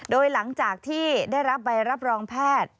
โดยหลังจากที่ได้รับใบรับรองแพทย์